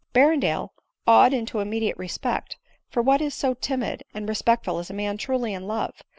Berrendale, awed into immediate respect — for what is so timid and respectful as a man truly in love